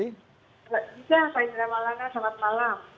bisa pak indra maulana selamat malam